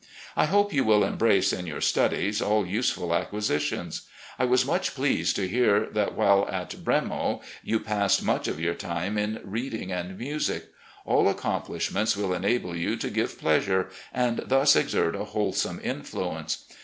I hope you will embrace in your studies all useful acquisi tions. I was much pleased to hear that while at ' Bremo ' you passed much of your time in reading and music. All accomplishments will enable you to give pleasure, and thus exert a wholesome influence.